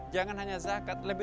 jangan hanya zakatnya itu sendiri